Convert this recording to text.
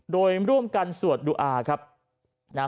โดยร่วมกันสวัสดิ์ดุราภิกษ์นะครับ